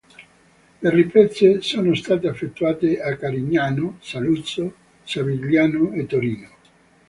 Le riprese sono state effettuate a Carignano, Saluzzo, Savigliano e Torino.